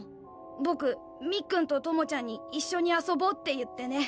僕みっくんとともちゃんに一緒に遊ぼって言ってね